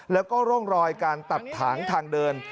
แล้วก็ร่องรอยการตัดถางทางเดิน